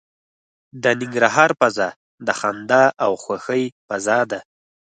د ننګرهار فضا د خندا او خوښۍ فضا ده.